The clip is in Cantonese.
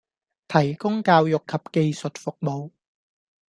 提供教育及技術服務